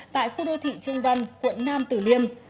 tại khu đô thị trung văn quận nam tử liêm